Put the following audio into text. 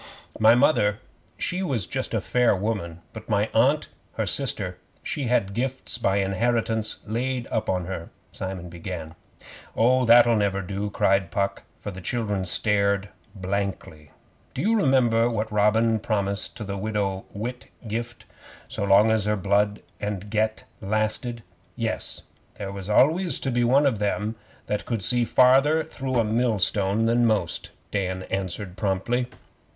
'My Mother, she was just a fair woman, but my Aunt, her sister, she had gifts by inheritance laid up in her,' Simon began. 'Oh, that'll never do,' cried Puck, for the children stared blankly. 'Do you remember what Robin promised to the Widow Whitgift so long as her blood and get lasted?' [See 'Dymchurch Flit' in PUCK OF POOK'S HILL.] 'Yes. There was always to be one of them that could see farther through a millstone than most,' Dan answered promptly.